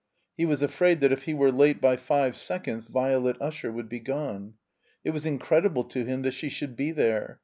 He was afraid that if he were late by five seconds Violet Ui^er wotdd be gone. It was in credible to him that she should be there.